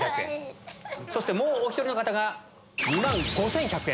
そしてもうお１人の方が２万５１００円。